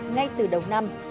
ngay từ đầu năm